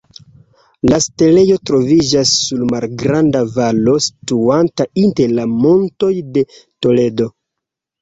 La setlejo troviĝas sur malgranda valo situanta inter la Montoj de Toledo.